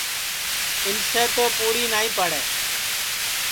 اِنسے تو پوری نائی پڑے